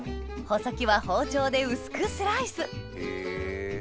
穂先は包丁で薄くスライスへぇ。